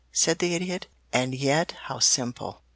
said the Idiot. "And yet how simple!